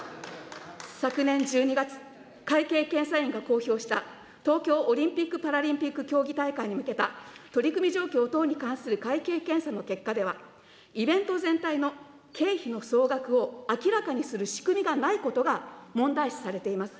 昨年１２月、会計検査院が公表した東京オリンピック・パラリンピック競技大会に向けた取り組み状況等に関する会計検査の結果では、イベント全体の経費の総額を明らかにする仕組みがないことが問題視されています。